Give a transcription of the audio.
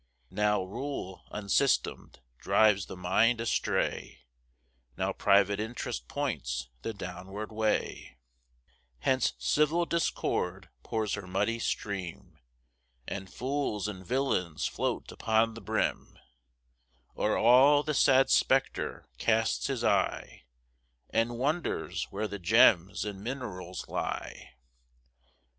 Now rule, unsystem'd, drives the mind astray; Now private interest points the downward way: Hence civil discord pours her muddy stream, And fools and villains float upon the brim; O'er all, the sad spectator casts his eye, And wonders where the gems and minerals lie.